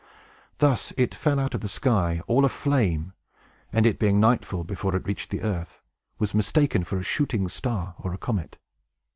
Thus it fell out of the sky, all a flame, and (it being nightfall before it reached the earth) was mistaken for a shooting star or a comet.